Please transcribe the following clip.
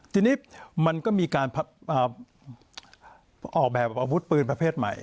ทีนี้มันก็มีการออกแบบอาวุธปืนประเภทใหม่